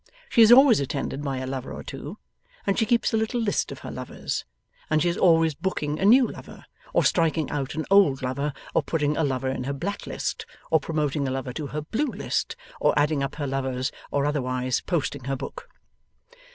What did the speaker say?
She is always attended by a lover or two, and she keeps a little list of her lovers, and she is always booking a new lover, or striking out an old lover, or putting a lover in her black list, or promoting a lover to her blue list, or adding up her lovers, or otherwise posting her book.